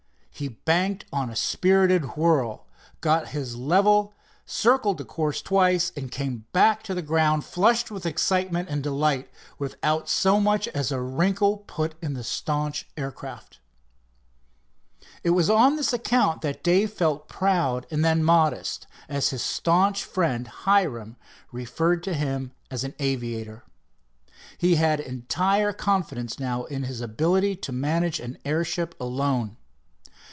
He banked on a spirited whirl, got his level, circled the course twice, and came back to the ground flushed with excitement and delight, without so much as a wrinkle put in the staunch aircraft. It was on this account that Dave felt proud and then modest, as his staunch friend, Hiram, referred to him as an aviator. He had entire confidence now in his ability to manage an airship alone.